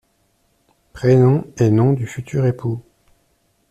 Prénoms et nom du futur époux.